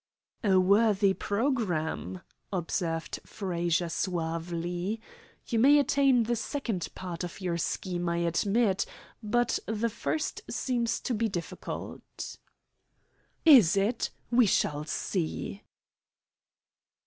"A worthy programme!" observed Frazer suavely. "You may attain the second part of your scheme, I admit, but the first seems to be difficult." "Is it? We shall see!"